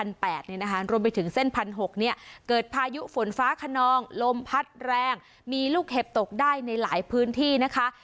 รวมไปถึงเส้น๑๖๐๐เนี่ยเกิดพายุฝนฟ้าขนองลมพัดแรงมีลูกเห็บตกได้ในหลายพื้นที่นะคะ